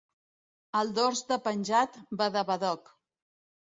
Al dors de penjat, badabadoc.